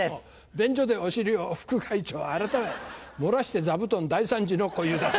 便所でお尻をフク会長改め漏らして座布団大サンジの小遊三です。